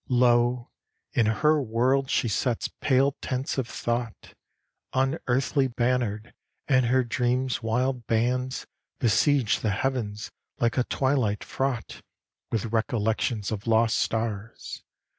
Lo! in her world she sets pale tents of thought, Unearthly bannered; and her dreams' wild bands Besiege the heavens like a twilight fraught With recollections of lost stars.